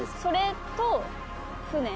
それと船？